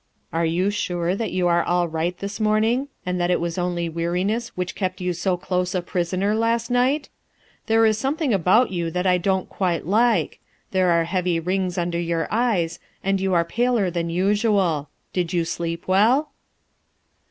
"Are you sure that you arc all right this morning, and that it was only weariness which kept you so close a prisoner last night? There is something about you that I don't quite like; there are heavy rings under your eyes, and you are paler than usual. Did you sleep well?"